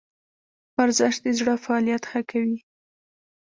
ورزش د زړه فعالیت ښه کوي